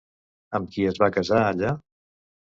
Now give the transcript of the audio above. Amb qui es va casar allà?